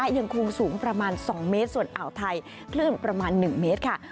ยังคงสูงประมาณ๒เมตรส่วนอ่าวไทยคลื่นประมาณ๑เมตรค่ะ